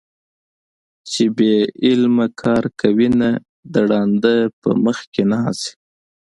چې بې علمه کار کوينه - د ړانده په مخ کې ناڅي